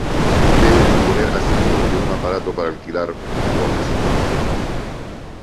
Debe disponer asimismo de un aparato para alquilar bolas.